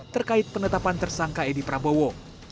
terkait penetapan tersangka edi prabowo